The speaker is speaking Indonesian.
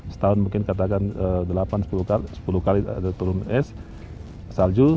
setahun mungkin katakan delapan sepuluh kali turun es salju